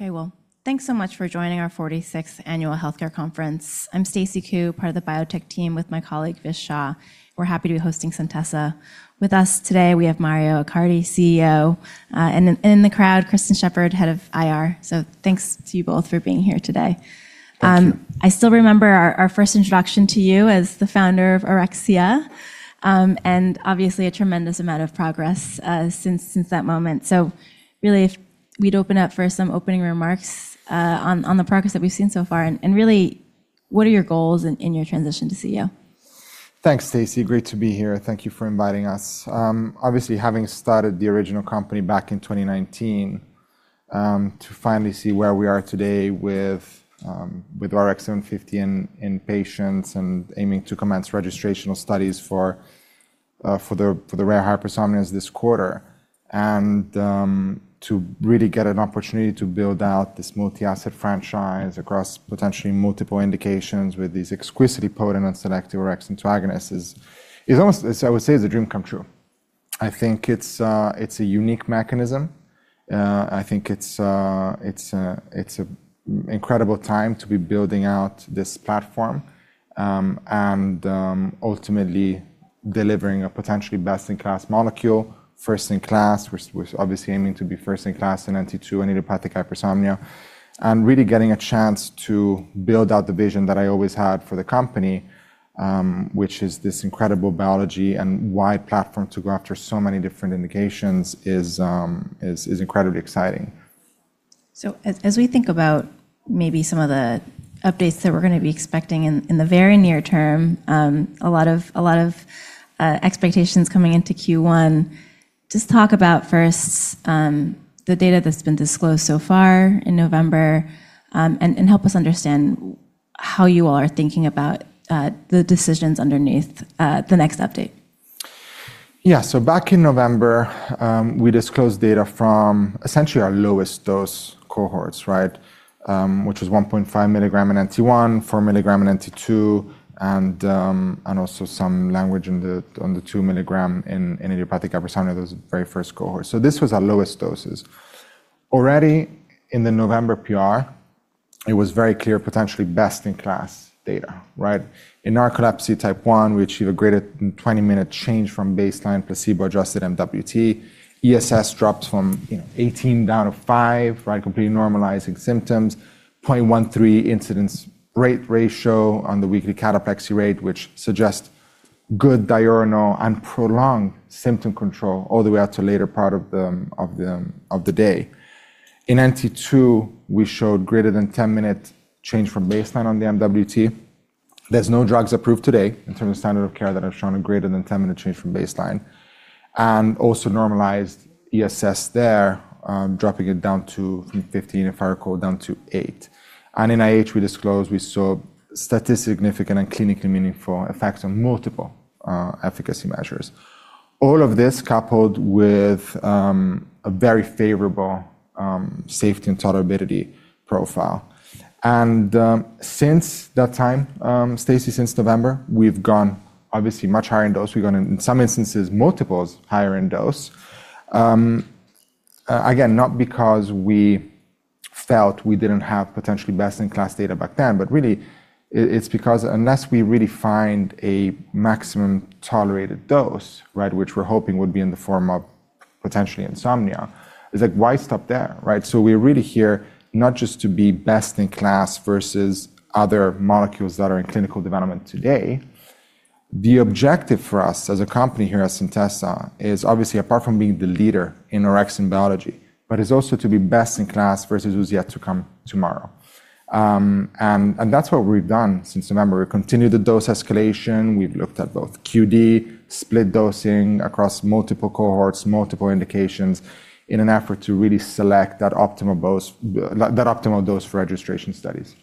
Okay. Well, thanks so much for joining our 46th Annual Healthcare Conference. I'm Stacy Ku, part of the biotech team with my colleague Vish Shah. We're happy to be hosting Centessa. With us today, we have Mario Accardi, CEO, and in the crowd, Kristen Sheppard, head of IR. Thanks to you both for being here today. Thank you. I still remember our first introduction to you as the founder of Orexia, and obviously a tremendous amount of progress since that moment. Really if we'd open up for some opening remarks on the progress that we've seen so far and really what are your goals in your transition to CEO? Thanks, Stacy. Great to be here. Thank you for inviting us. Obviously having started the original company back in 2019, to finally see where we are today with ORX750 in patients and aiming to commence registrational studies for the rare hypersomnias this quarter, to really get an opportunity to build out this multi-asset franchise across potentially multiple indications with these exquisitely potent and selective orexin antagonists is almost as I would say, is a dream come true. I think it's a unique mechanism. I think it's a incredible time to be building out this platform, and ultimately delivering a potentially best-in-class molecule, first-in-class, we're obviously aiming to be first-in-class in NT2 and idiopathic hypersomnia, and really getting a chance to build out the vision that I always had for the company, which is this incredible biology and wide platform to go after so many different indications is incredibly exciting. As we think about maybe some of the updates that we're gonna be expecting in the very near term, a lot of expectations coming into Q1, just talk about first, the data that's been disclosed so far in November, and help us understand how you all are thinking about the decisions underneath the next update. Yeah. Back in November, we disclosed data from essentially our lowest dose cohorts, right? Which was 1.5 mg in NT1, 4 milligram in NT2, and also some language on the 2 mg in idiopathic hypersomnia, those very first cohorts. This was our lowest doses. Already in the November PR, it was very clear, potentially best-in-class data, right? In narcolepsy Type 1, we achieved a greater than 20-minute change from baseline placebo-adjusted MWT. ESS dropped from, you know, 18 down to five, right, completely normalizing symptoms. 0.13 incidence rate ratio on the weekly cataplexy rate, which suggests good diurnal and prolonged symptom control all the way out to later part of the day. In NT2, we showed greater than 10-minute change from baseline on the MWT. There's no drugs approved today in terms of standard of care that have shown a greater than 10-minute change from baseline. Normalized ESS there, dropping it down to from 15 if I recall, down to eight. In IH we disclosed we saw statistically significant and clinically meaningful effects on multiple efficacy measures. All of this coupled with a very favorable safety and tolerability profile. Since that time, Stacy, since November, we've gone obviously much higher in dose. We've gone in some instances, multiples higher in dose. Again, not because we felt we didn't have potentially best-in-class data back then, but really it's because unless we really find a maximum tolerated dose, right, which we're hoping would be in the form of potentially insomnia, it's like, why stop there, right? We're really here not just to be best in class versus other molecules that are in clinical development today. The objective for us as a company here at Centessa is obviously apart from being the leader in orexin biology, but is also to be best in class versus who's yet to come tomorrow. That's what we've done since November. We continued the dose escalation. We've looked at both QD, split dosing across multiple cohorts, multiple indications in an effort to really select that optimal dose for registration studies.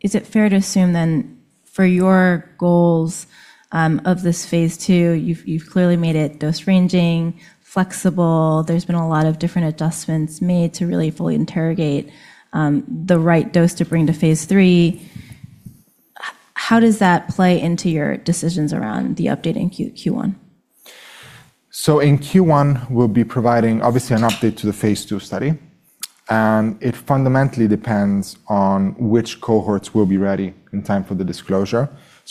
Is it fair to assume then for your goals of this phase II, you've clearly made it dose ranging, flexible. There's been a lot of different adjustments made to really fully interrogate the right dose to bring to phase III. How does that play into your decisions around the update in Q1? In Q1, we'll be providing obviously an update to the phase II study, and it fundamentally depends on which cohorts will be ready in time for the disclosure.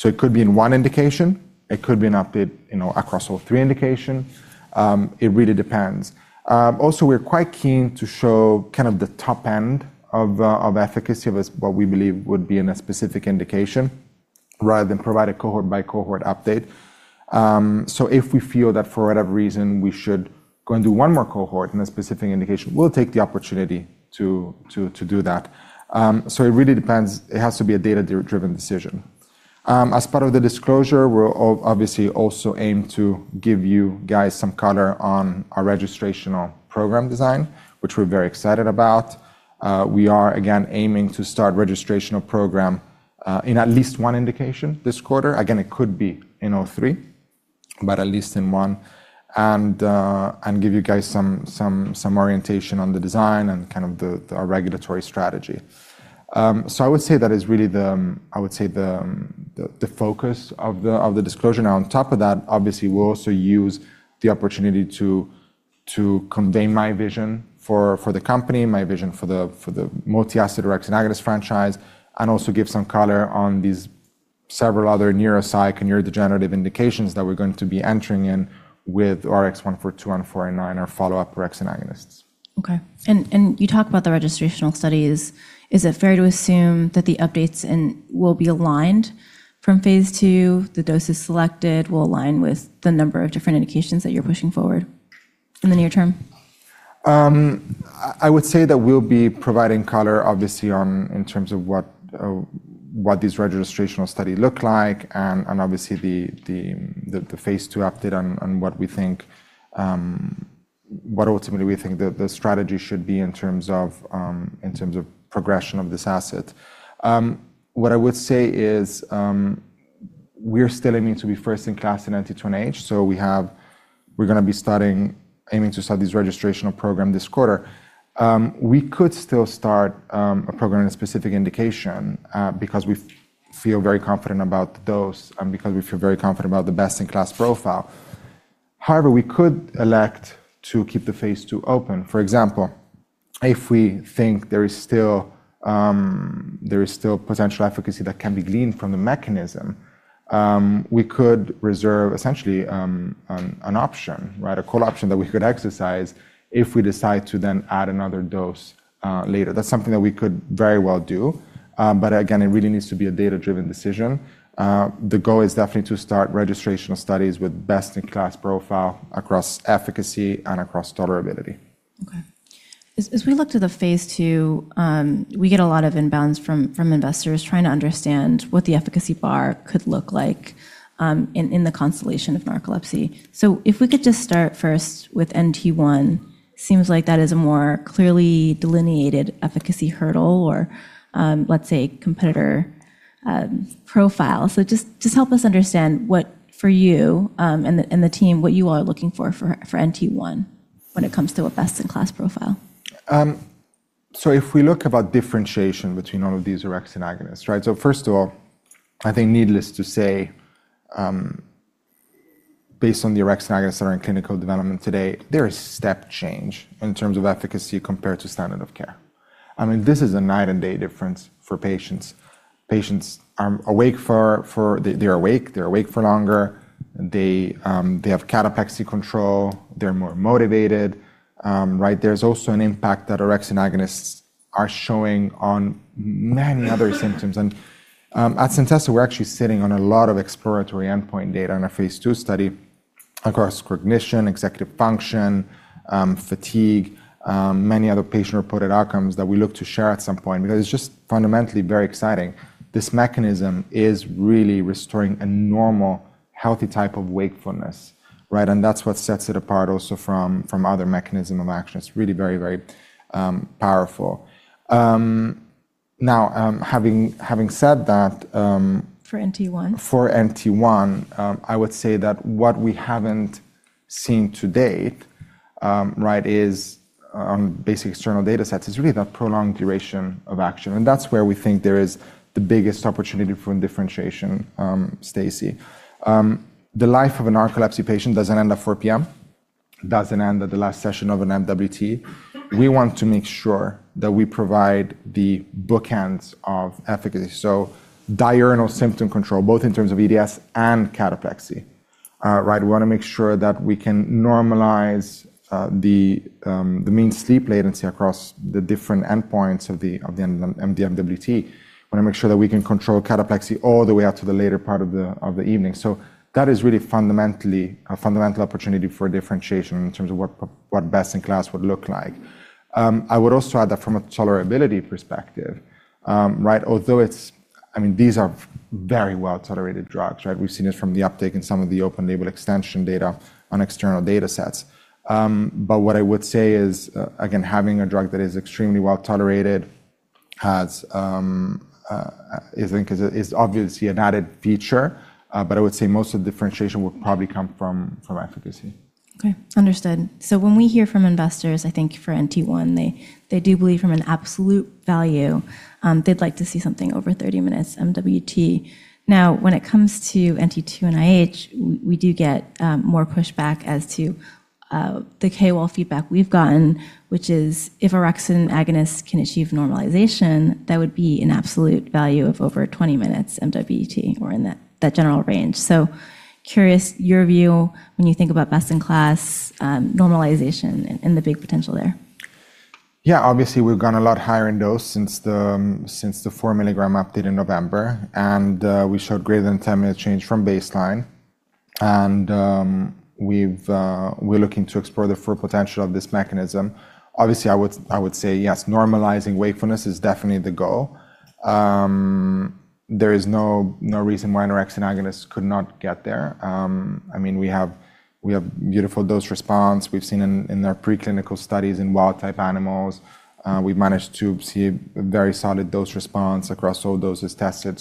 It could be in one indication, it could be an update, you know, across all three indication. It really depends. Also, we're quite keen to show kind of the top end of efficacy of as what we believe would be in a specific indication rather than provide a cohort by cohort update. If we feel that for whatever reason we should go and do one more cohort in a specific indication, we'll take the opportunity to do that. It really depends. It has to be a data-driven decision. As part of the disclosure, we'll obviously also aim to give you guys some color on our registrational program design, which we're very excited about. We are again aiming to start registrational program in at least one indication this quarter. Again, it could be in all three, but at least in one, and give you guys some orientation on the design and kind of the, our regulatory strategy. I would say that is really the focus of the disclosure. On top of that, obviously we'll also use the opportunity to convey my vision for the company, my vision for the multi-asset orexin agonist franchise, and also give some color on these several other neuropsych and neurodegenerative indications that we're going to be entering in with ORX142 and ORX489, our follow-up orexin agonists. Okay. You talk about the registrational studies. Is it fair to assume that the updates will be aligned from phase II, the doses selected will align with the number of different indications that you're pushing forward in the near term? I would say that we'll be providing color obviously on, in terms of what this registrational study look like and obviously the phase II update on what we think, what ultimately we think the strategy should be in terms of progression of this asset. What I would say is, we're still aiming to be first in class in NT1 IH. We're gonna be aiming to start this registrational program this quarter. We could still start a program in a specific indication, because we feel very confident about the dose and because we feel very confident about the best-in-class profile. We could elect to keep the phase II open. For example, if we think there is still, there is still potential efficacy that can be gleaned from the mechanism, we could reserve essentially, an option, right? A call option that we could exercise if we decide to then add another dose later. That's something that we could very well do. Again, it really needs to be a data-driven decision. The goal is definitely to start registrational studies with best-in-class profile across efficacy and across tolerability. Okay. As we look to the phase II, we get a lot of inbounds from investors trying to understand what the efficacy bar could look like, in the constellation of narcolepsy. If we could just start first with NT1, seems like that is a more clearly delineated efficacy hurdle or, let's say competitor, profile. Just help us understand what for you, and the team, what you all are looking for NT1 when it comes to a best-in-class profile. If we look about differentiation between all of these orexin agonists, right? First of all, I think needless to say, based on the orexin agonists that are in clinical development today, there is step change in terms of efficacy compared to standard of care. I mean, this is a night and day difference for patients. Patients are awake for longer, they have cataplexy control, they're more motivated, right? There's also an impact that orexin agonists are showing on many other symptoms. At Centessa, we're actually sitting on a lot of exploratory endpoint data in our phase II study across cognition, executive function, fatigue, many other patient-reported outcomes that we look to share at some point because it's just fundamentally very exciting. This mechanism is really restoring a normal, healthy type of wakefulness, right? That's what sets it apart also from other mechanism of action. It's really very powerful. now, having said that, For NT1. For NT1, I would say that what we haven't seen to date, right, is on basic external datasets, is really that prolonged duration of action. That's where we think there is the biggest opportunity for differentiation, Stacy. The life of a narcolepsy patient doesn't end at 4:00 P.M., doesn't end at the last session of an MWT. We want to make sure that we provide the bookends of efficacy. Diurnal symptom control, both in terms of EDS and cataplexy. Right? We wanna make sure that we can normalize the mean sleep latency across the different endpoints of the MWT. Wanna make sure that we can control cataplexy all the way out to the later part of the evening. That is really fundamentally a fundamental opportunity for differentiation in terms of what best in class would look like. I would also add that from a tolerability perspective, right, although it's, I mean, these are very well-tolerated drugs, right? We've seen this from the uptake in some of the open label extension data on external datasets. What I would say is, again, having a drug that is extremely well-tolerated has, is obviously an added feature, but I would say most of the differentiation will probably come from efficacy. Okay. Understood. When we hear from investors, I think for NT1, they do believe from an absolute value, they'd like to see something over 30 minutes MWT. Now, when it comes to NT2 IH, we do get more pushback as to the KOL feedback we've gotten, which is if orexin agonists can achieve normalization, that would be an absolute value of over 20 minutes MWT or in that general range. Curious your view when you think about best in class, normalization and the big potential there. Yeah. Obviously, we've gone a lot higher in dose since the since the 4-mg update in November. We showed greater than 10-minute change from baseline. We've we're looking to explore the full potential of this mechanism. Obviously, I would say yes, normalizing wakefulness is definitely the goal. There is no reason why an orexin agonist could not get there. I mean, we have beautiful dose response. We've seen in their preclinical studies in wild-type animals, we've managed to see a very solid dose response across all doses tested.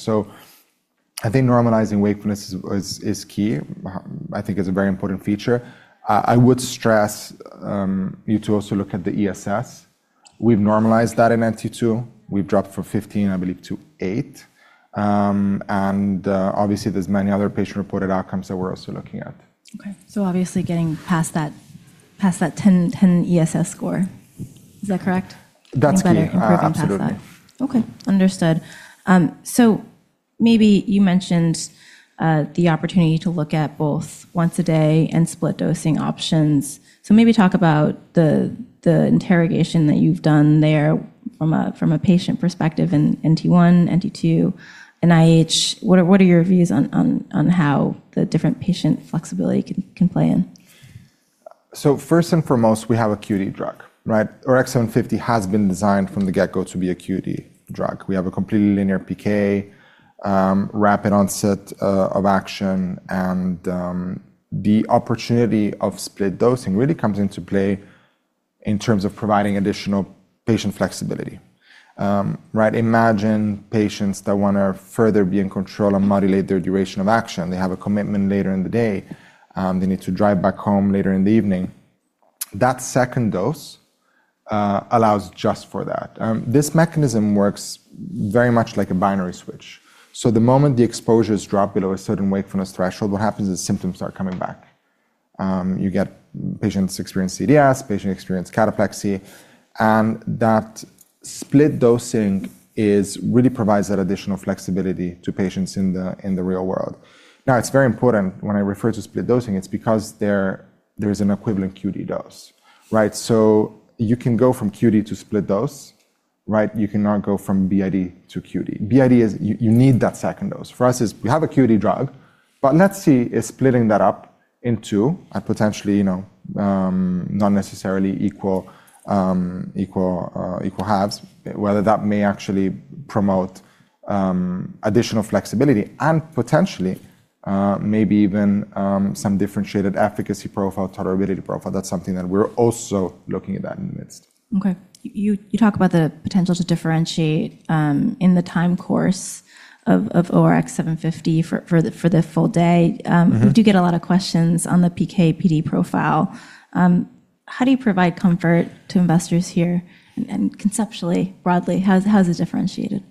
I think normalizing wakefulness is key. I think it's a very important feature. I would stress you to also look at the ESS. We've normalized that in NT2. We've dropped from 15, I believe, to eight. Obviously, there's many other patient-reported outcomes that we're also looking at. Obviously getting past that, past that 10 ESS score. Is that correct? That's key. Better improving past that. Absolutely. Okay. Understood. Maybe you mentioned the opportunity to look at both once-a-day and split dosing options. Maybe talk about the interrogation that you've done there from a patient perspective in NT1, NT2, IH. What are your views on how the different patient flexibility can play in? First and foremost, we have a QD drug, right? ORX750 has been designed from the get go to be a QD drug. We have a completely linear PK, rapid onset of action, and the opportunity of split dosing really comes into play in terms of providing additional patient flexibility. Right? Imagine patients that wanna further be in control and modulate their duration of action. They have a commitment later in the day. They need to drive back home later in the evening. That second dose allows just for that. This mechanism works very much like a binary switch. The moment the exposure is dropped below a certain wakefulness threshold, what happens is symptoms start coming back. You get patients experience EDS, patient experience cataplexy. That split dosing is really provides that additional flexibility to patients in the real world. It's very important when I refer to split dosing, it's because there is an equivalent QD dose, right? You can go from QD to split dose, right? You cannot go from BID to QD. BID is you need that second dose. For us, we have a QD drug, let's see is splitting that up in two at potentially, you know, not necessarily equal halves, whether that may actually promote additional flexibility and potentially maybe even some differentiated efficacy profile, tolerability profile. That's something that we're also looking at that in the midst. Okay. You talk about the potential to differentiate in the time course of ORX750 for the full day. Mm-hmm. We do get a lot of questions on the PK/PD profile. How do you provide comfort to investors here? Conceptually, broadly, how's it differentiated?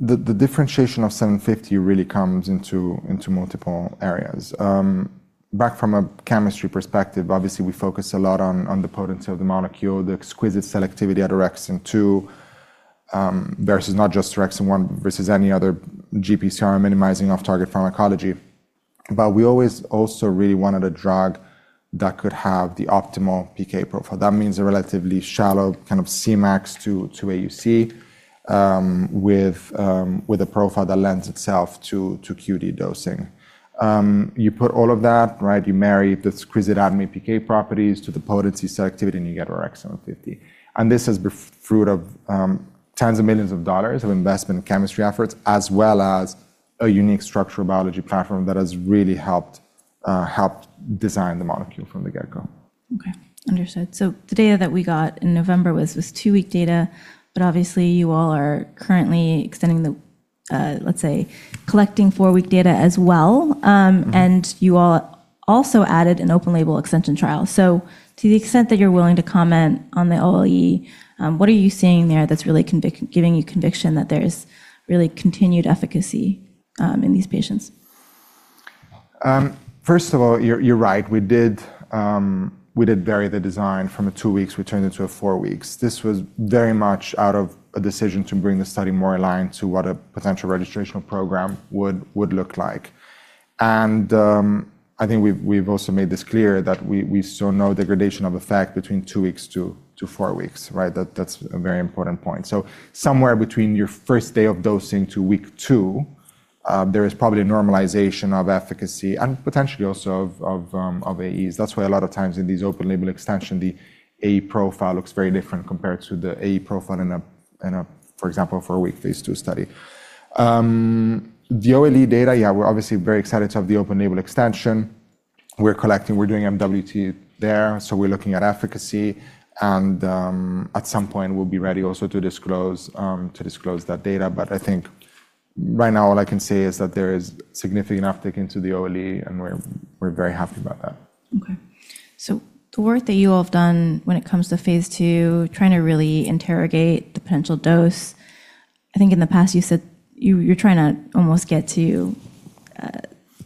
The differentiation of 750 really comes into multiple areas. Back from a chemistry perspective, obviously, we focus a lot on the potency of the molecule, the exquisite selectivity at orexin 2 versus not just orexin 1 versus any other GPCR minimizing off target pharmacology. We always also really wanted a drug that could have the optimal PK profile. That means a relatively shallow kind of Cmax to AUC, with a profile that lends itself to QD dosing. You put all of that, right, you marry the exquisite ADME PK properties to the potency selectivity, and you get ORX750. This is fruit of, tens of millions of dollars of investment in chemistry efforts, as well as a unique structural biology platform that has really helped design the molecule from the get go. Okay. Understood. The data that we got in November was this two-week data, but obviously you all are currently extending the, let's say, collecting four-week data as well. Mm-hmm. You all also added an open label extension trial. To the extent that you're willing to comment on the OLE, what are you seeing there that's really giving you conviction that there's really continued efficacy in these patients? First of all, you're right. We did vary the design from a two weeks, we turned into a four weeks. This was very much out of a decision to bring the study more aligned to what a potential registrational program would look like. I think we've also made this clear that we saw no degradation of effect between two weeks to four weeks, right? That's a very important point. Somewhere between your first day of dosing to week two, there is probably a normalization of efficacy and potentially also of AEs. That's why a lot of times in these open label extension, the AE profile looks very different compared to the AE profile in a, for example, four-week phase II study. The OLE data, yeah, we're obviously very excited to have the open label extension. We're collecting. We're doing MWT there, so we're looking at efficacy. At some point, we'll be ready also to disclose that data. I think right now all I can say is that there is significant uptake into the OLE, and we're very happy about that. The work that you all have done when it comes to phase II, trying to really interrogate the potential dose, I think in the past you said you're trying to almost get to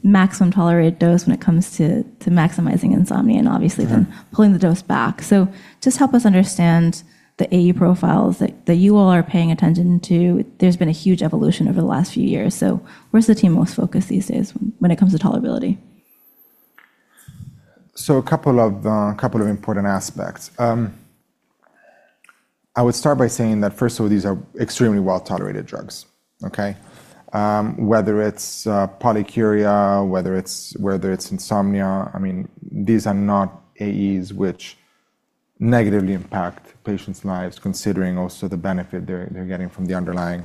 maximum tolerated dose when it comes to maximizing insomnia and obviously. Right. Pulling the dose back. just help us understand the AE profiles that you all are paying attention to. There's been a huge evolution over the last few years. where's the team most focused these days when it comes to tolerability? A couple of important aspects. I would start by saying that first of all, these are extremely well-tolerated drugs. Okay? Whether it's polyuria, whether it's insomnia, I mean, these are not AEs which negatively impact patients' lives, considering also the benefit they're getting from the underlying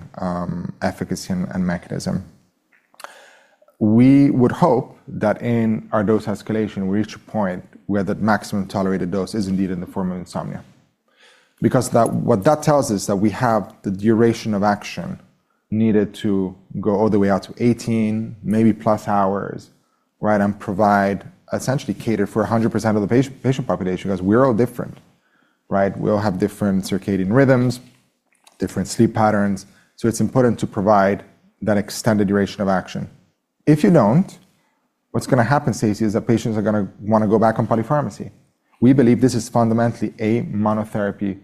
efficacy and mechanism. We would hope that in our dose escalation, we reach a point where the maximum tolerated dose is indeed in the form of insomnia. That tells us that we have the duration of action needed to go all the way out to 18, maybe plus hours, right? Provide, essentially cater for 100% of the patient population 'cause we're all different, right? We all have different circadian rhythms, different sleep patterns, so it's important to provide that extended duration of action. If you don't, what's gonna happen, Stacy, is that patients are gonna wanna go back on polypharmacy. We believe this is fundamentally a monotherapy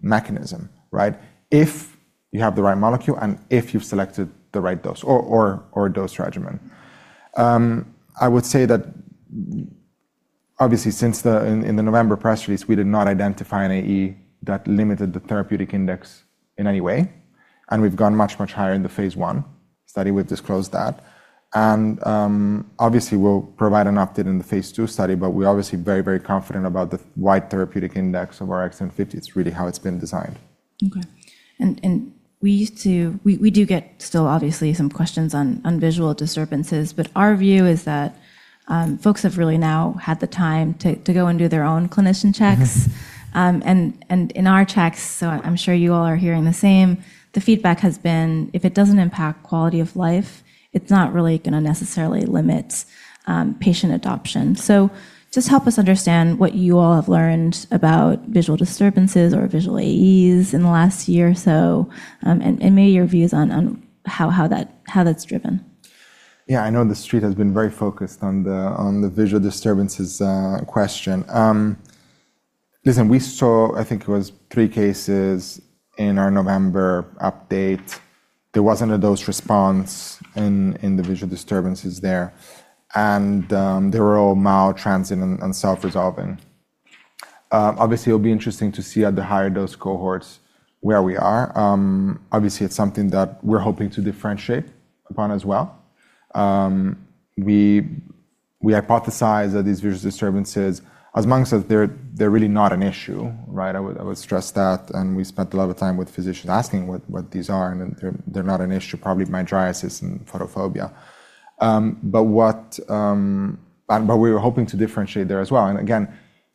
mechanism, right? If you have the right molecule and if you've selected the right dose or dose regimen. I would say that obviously since the November press release, we did not identify an AE that limited the therapeutic index in any way, and we've gone much, much higher in the phase I study, we've disclosed that. Obviously we'll provide an update in the phase II study, but we're obviously very, very confident about the wide therapeutic index of ORX750. It's really how it's been designed. Okay. We do get still obviously some questions on visual disturbances, but our view is that folks have really now had the time to go and do their own clinician checks. Mm-hmm. In our checks, I'm sure you all are hearing the same, the feedback has been if it doesn't impact quality of life, it's not really gonna necessarily limit patient adoption. Just help us understand what you all have learned about visual disturbances or visual AEs in the last year or so, and maybe your views on how that's driven. Yeah. I know the street has been very focused on the visual disturbances question. Listen, we saw I think it was three cases in our November update. There wasn't a dose response in the visual disturbances there. They were all mild, transient, and self-resolving. Obviously it'll be interesting to see at the higher dose cohorts where we are. Obviously it's something that we're hoping to differentiate upon as well. We hypothesize that these visual disturbances, as Manesh says, they're really not an issue, right? I would stress that, and we spent a lot of time with physicians asking what these are, and they're not an issue, probably mydriasis and photophobia. What we were hoping to differentiate there as well, and again,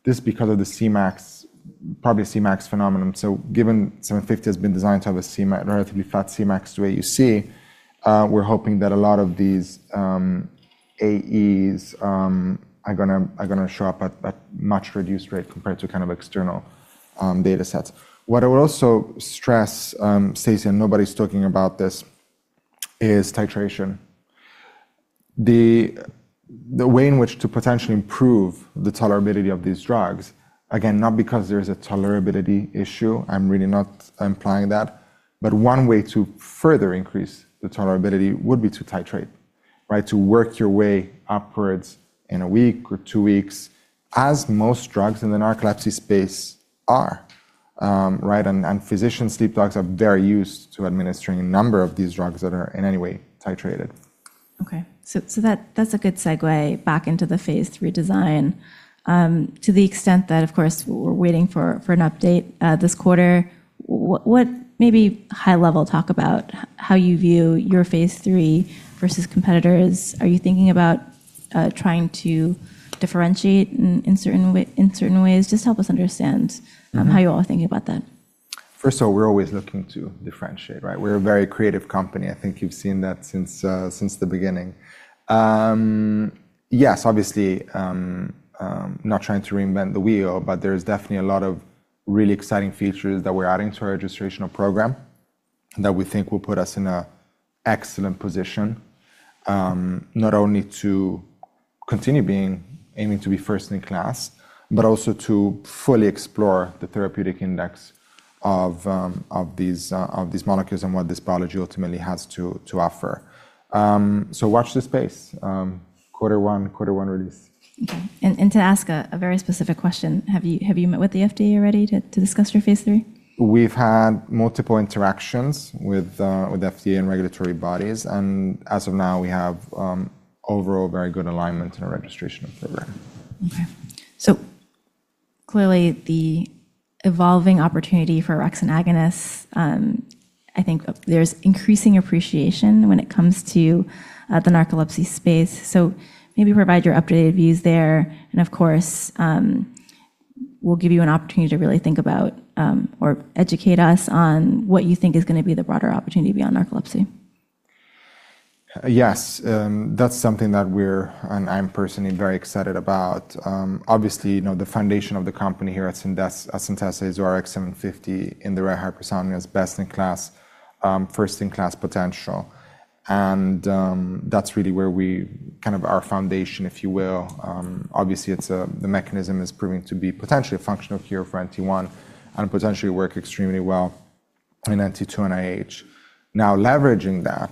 this is because of the Cmax, probably Cmax phenomenon. Given 750 has been designed to have a Cmax, a relatively flat Cmax the way you see, we're hoping that a lot of these AEs are gonna show up at much reduced rate compared to kind of external datasets. What I would also stress, Stacy, and nobody's talking about this, is titration. The way in which to potentially improve the tolerability of these drugs, again, not because there's a tolerability issue, I'm really not implying that, but one way to further increase the tolerability would be to titrate, right? To work your way upwards in one week or two weeks as most drugs in the narcolepsy space are, right? Physicians, sleep docs are very used to administering a number of these drugs that are in any way titrated. Okay. That's a good segue back into the phase III design. To the extent that of course we're waiting for an update this quarter, what maybe high level talk about how you view your phase III versus competitors? Are you thinking about trying to differentiate in certain way, in certain ways? Just help us understand. Mm-hmm. How you all are thinking about that. First of all, we're always looking to differentiate, right? We're a very creative company. I think you've seen that since the beginning. Yes, obviously, not trying to reinvent the wheel, but there is definitely a lot of really exciting features that we're adding to our registrational program that we think will put us in a excellent position, not only to continue being aiming to be first in class, but also to fully explore the therapeutic index of of these of these molecules and what this biology ultimately has to offer. Watch this space, quarter one, quarter one release. Okay. To ask a very specific question, have you met with the FDA already to discuss your phase III? We've had multiple interactions with FDA and regulatory bodies. As of now, we have overall very good alignment in our registration program. Okay. Clearly the evolving opportunity for orexin agonists, I think there's increasing appreciation when it comes to, the narcolepsy space. Maybe provide your updated views there, and of course, we'll give you an opportunity to really think about, or educate us on what you think is gonna be the broader opportunity beyond narcolepsy. Yes. That's something that we're, and I'm personally very excited about. Obviously, you know, the foundation of the company here at Centessa is our ORX750 in the rare hypersomnias as best in class, first in class potential. That's really where we kind of our foundation, if you will. Obviously it's a, the mechanism is proving to be potentially a functional cure for NT1 and potentially work extremely well in NT2 and IH. Leveraging that,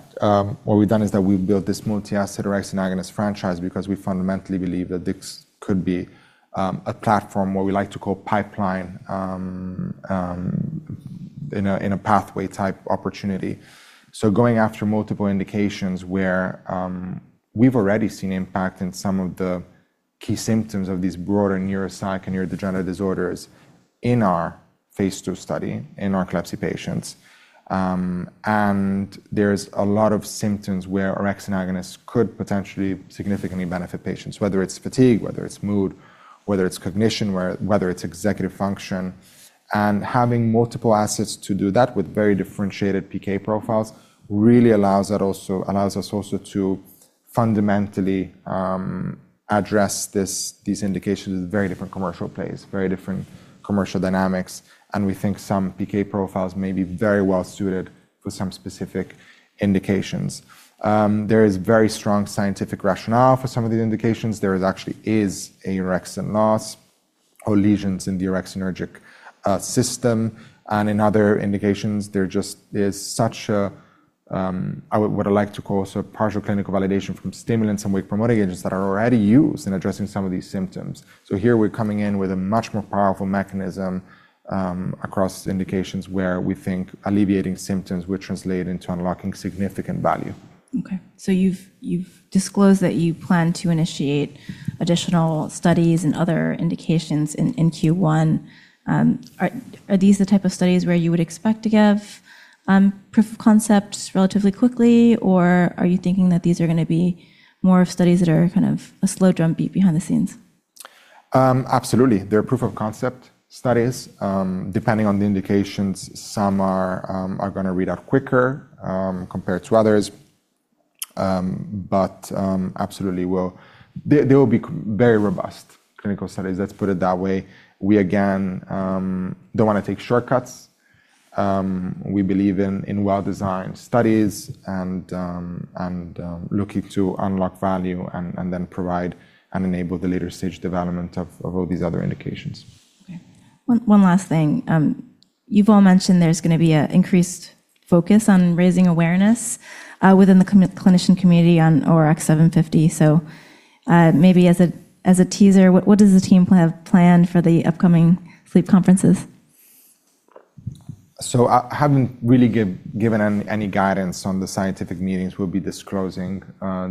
what we've done is that we've built this multi-asset orexin agonist franchise because we fundamentally believe that this could be a platform, what we like to call pipeline, in a pathway type opportunity. Going after multiple indications where we've already seen impact in some of the key symptoms of these broader neuropsych and neurodegenerative disorders in our phase II study in our narcolepsy patients. There's a lot of symptoms where orexin agonists could potentially significantly benefit patients, whether it's fatigue, whether it's mood, whether it's cognition, whether it's executive function. Having multiple assets to do that with very differentiated PK profiles really allows that, allows us also to fundamentally address these indications with very different commercial plays, very different commercial dynamics. We think some PK profiles may be very well suited for some specific indications. There is very strong scientific rationale for some of the indications. There is actually a orexin loss or lesions in the orexinergic system. In other indications, there just is such a, I would like to call so partial clinical validation from stimulants and wake-promoting agents that are already used in addressing some of these symptoms. Here we're coming in with a much more powerful mechanism across indications where we think alleviating symptoms will translate into unlocking significant value. You've disclosed that you plan to initiate additional studies and other indications in Q1. Are these the type of studies where you would expect to give proof of concepts relatively quickly, or are you thinking that these are gonna be more of studies that are kind of a slow drumbeat behind the scenes? Absolutely. They're proof of concept studies. Depending on the indications, some are gonna read out quicker compared to others. They will be very robust clinical studies, let's put it that way. We, again, don't wanna take shortcuts. We believe in well-designed studies and looking to unlock value and then provide and enable the later stage development of all these other indications. Okay. One last thing. You've all mentioned there's gonna be a increased focus on raising awareness within the clinician community on ORX750. Maybe as a teaser, what does the team have planned for the upcoming sleep conferences? I haven't really given any guidance on the scientific meetings we'll be disclosing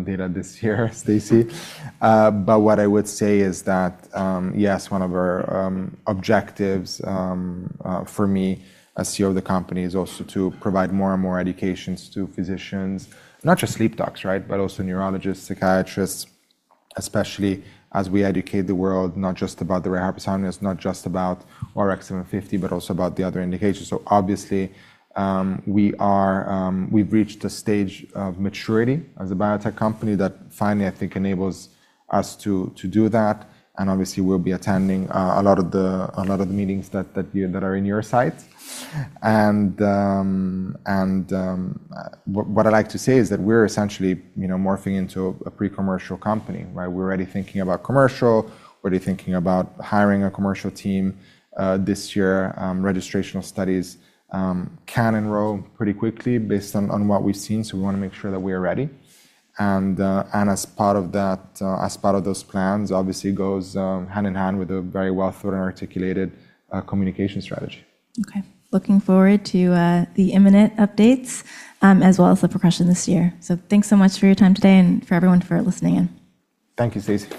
data this year, Stacy. What I would say is that yes, one of our objectives for me as CEO of the company is also to provide more and more educations to physicians. Not just sleep docs, right? Also neurologists, psychiatrists, especially as we educate the world, not just about the rare hypersomnias, not just about ORX750, but also about the other indications. Obviously, we are, we've reached a stage of maturity as a biotech company that finally, I think, enables us to do that. Obviously we'll be attending a lot of the meetings that you, that are in your sight. What I'd like to say is that we're essentially, you know, morphing into a pre-commercial company, right? We're already thinking about commercial. We're already thinking about hiring a commercial team this year. Registrational studies can enroll pretty quickly based on what we've seen, so we wanna make sure that we are ready. As part of that, as part of those plans, obviously goes hand in hand with a very well-thought and articulated communication strategy. Okay. Looking forward to the imminent updates, as well as the progression this year. Thanks so much for your time today and for everyone for listening in. Thank you, Stacy.